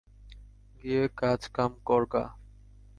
গিয়ে কাজকাম কর গা।